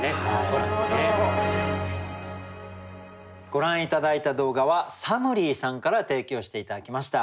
ご覧頂いた動画はさむりぃさんから提供して頂きました。